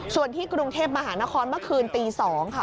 ส่วนที่กรุงเทพมหานครเมื่อคืนตี๒ค่ะ